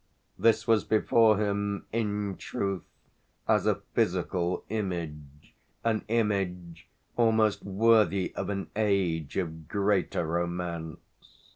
This was before him in truth as a physical image, an image almost worthy of an age of greater romance.